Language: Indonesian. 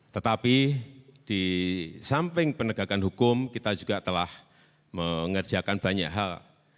tetapi di samping penegakan hukum kita juga telah mengerjakan banyak hal